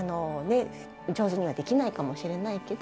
上手にはできないかもしれないけど